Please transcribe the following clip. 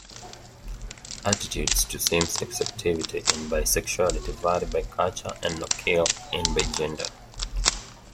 Attitudes to same-sex activity and bisexuality vary by culture and locale, and by gender.